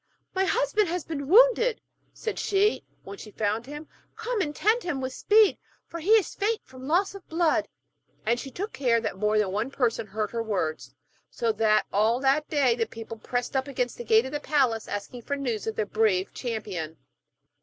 'My husband has been wounded,' said she, when she had found him, 'come and tend him with speed, for he is faint from loss of blood.' And she took care that more than one person heard her words, so that all that day the people pressed up to the gate of the palace, asking for news of their brave champion.